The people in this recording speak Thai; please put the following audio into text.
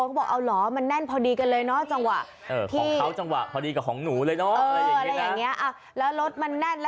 เขาบอกเอาหรอมันแน่นพอดีกันเลยเนาะจังหวะ